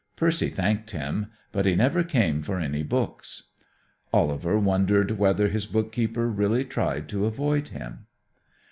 Percy thanked him, but he never came for any books. Oliver wondered whether his bookkeeper really tried to avoid him.